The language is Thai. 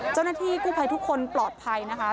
เจ้าหน้าที่กู้ภัยทุกคนปลอดภัยนะคะ